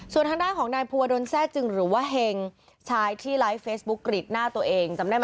ส่วนทางด้านของนายภูวดลแซ่จึงหรือว่าเฮงชายที่ไลฟ์เฟซบุ๊กกรีดหน้าตัวเองจำได้ไหม